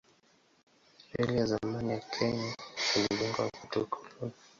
Reli ya zamani ya Kenya ilijengwa wakati wa ukoloni.